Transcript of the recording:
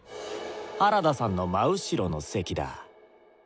原田さんの真後ろの席だ。